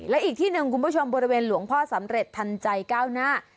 และอีกที่หนึ่งคุณผู้ชมบริเวณหลวงพ่อสำเร็จทันใจก้าวหน้า